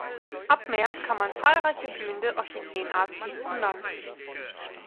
Ab März kann man zahlreiche blühende Orchideenarten bewundern.